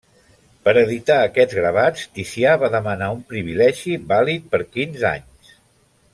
Per editar aquests gravats Ticià va demanar un privilegi vàlid per quinze anys.